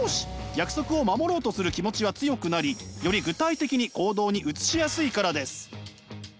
約束を守ろうとする気持ちは強くなりより具体的に行動に移しやすいからです。